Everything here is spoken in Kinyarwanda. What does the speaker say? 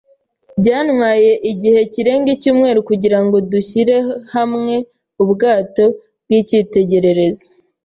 Byantwaye igihe kirenga icyumweru kugirango dushyire hamwe ubwato bw'icyitegererezo.